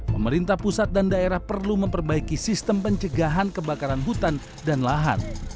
pemerintah pusat dan daerah perlu memperbaiki sistem pencegahan kebakaran hutan dan lahan